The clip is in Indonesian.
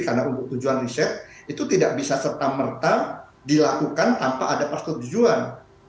karena untuk tujuan riset itu tidak bisa serta merta dilakukan tanpa ada persetujuan